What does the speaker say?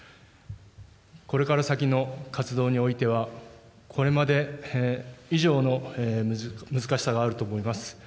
これから先の活動においては、これまで以上の難しさがあると思います。